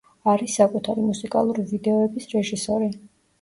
არის საკუთარი მუსიკალური ვიდეოების რეჟისორი.